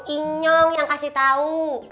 inyong yang kasih tau